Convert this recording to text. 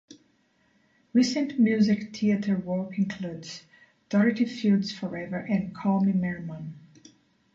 Recent musical theatre work includes: "Dorothy Fields Forever" and "Call Me Merman".